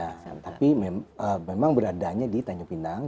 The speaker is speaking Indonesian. ya tapi memang beradanya di tanjung pinang